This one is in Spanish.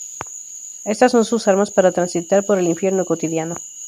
Estas son sus armas para transitar por el infierno cotidiano...